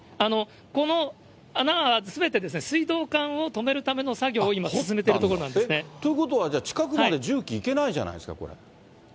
この穴はすべて水道管を止めるための作業を今進めているところなということは近くまで重機行けないじゃないですか、これ。